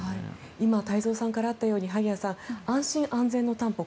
今、太蔵さんからあったように萩谷さん、安心安全の担保